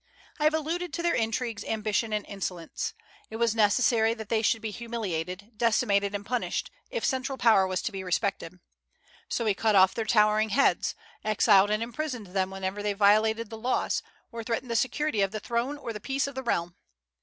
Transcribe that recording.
I have alluded to their intrigues, ambition, and insolence. It was necessary that they should be humiliated, decimated, and punished, if central power was to be respected. So he cut off their towering heads, exiled and imprisoned them whenever they violated the laws, or threatened the security of the throne or the peace of the realm.